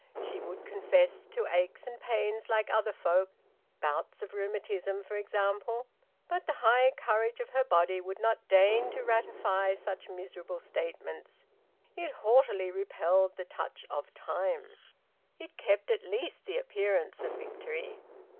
She would confess to aches and pains like other folk, bouts of rheumatism for example but the high courage of her body would not deign to ratify such miserable statements; it haughtily repelled the touch of time; it kept at least the appearance of victory.